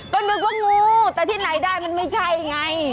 ก็นึกว่างูแต่ที่ไหนได้มันไม่ใช่ไง